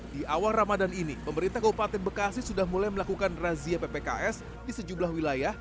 di awal ramadan ini pemerintah kabupaten bekasi sudah mulai melakukan razia ppks di sejumlah wilayah